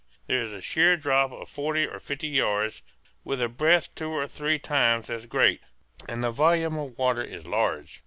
There is a sheer drop of forty or fifty yards, with a breadth two or three times as great; and the volume of water is large.